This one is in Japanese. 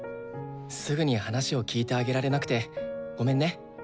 すぐに話を聞いてあげられなくてごめんね。